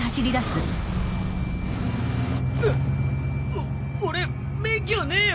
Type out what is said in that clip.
お俺免許ねえよ？